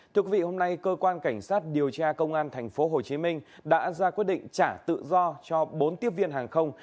thưa quý vị hôm nay cơ quan cảnh sát điều tra công an tp hcm đã ra quyết định trả tự do cho bốn tiếp viên hàng không